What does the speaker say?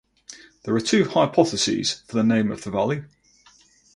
There are two hypotheses for the name of the valley.